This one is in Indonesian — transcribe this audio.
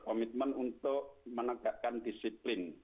komitmen untuk menegakkan disiplin